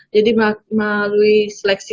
jadi melalui seleksi